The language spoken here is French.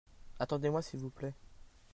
Attendez-moi s'il vous plait.